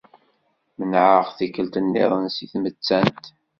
Menɛeɣ tikkelt niḍen seg tmettant.